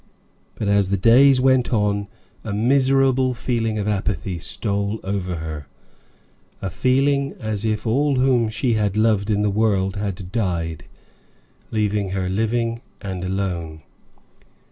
But as the days went on, a miserable feeling of apathy stole over her: a feeling as if all whom she had loved in the world had died, leaving her living and alone.